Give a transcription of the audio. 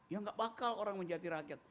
ya gak bakal orang menjadi rakyat